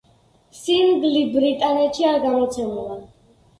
სინგლი ბრიტანეთში არ გამოცემულა.